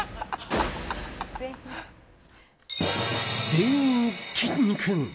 全員、きんに君！